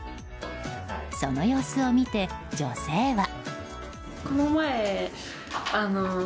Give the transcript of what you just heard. その様子を見て、女性は。